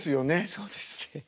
そうですね。